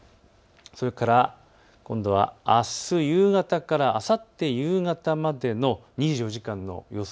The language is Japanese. それからあす夕方からあさって夕方までの２４時間の予想